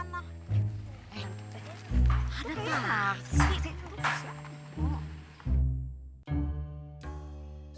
eh ada taksi